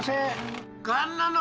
がんなの！